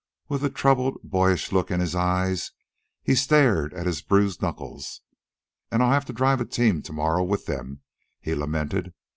With a troubled, boyish look in his eyes, he stared at his bruised knuckles. "An' I'll have to drive team to morrow with 'em," he lamented.